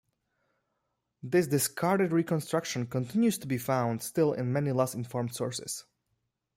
This discarded reconstruction continues to be found still in many less informed sources.